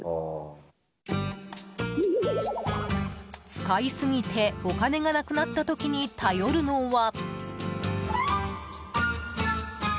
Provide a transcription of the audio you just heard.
使いすぎてお金がなくなった時に頼るのは。